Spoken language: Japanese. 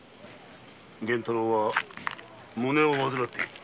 源太郎は胸を患っている。